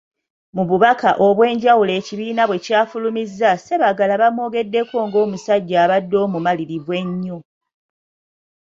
Mu bubaka obw'enjawulo ekibiina bwe kyafulumizza Sebaggala bamwogeddeko ng'omusajja abadde omumalirivu ennyo.